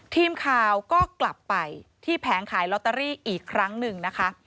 ทีมข่าวก็กลับไปที่แผงขายลอตเตอรี่อีกครั้งหนึ่งนะคะ